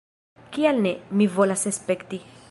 Kial ne? Mi volas spekti